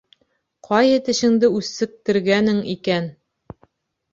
Ҡайһы тешеңде үсектергәнең икән?